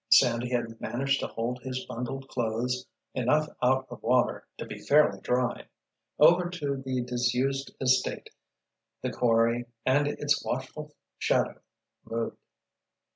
Sandy had managed to hold his bundled clothes enough out of water to be fairly dry. Over to the disused estate the quarry and its watchful shadow moved.